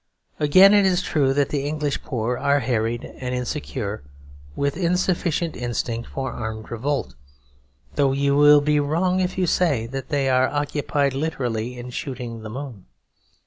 Again, it is true that the English poor are harried and insecure, with insufficient instinct for armed revolt, though you will be wrong if you say that they are occupied literally in shooting the moon.